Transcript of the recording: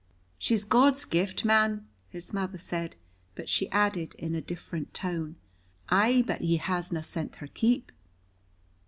"She's God's gift, man," his mother said, but she added, in a different tone, "Ay, but he hasna sent her keep."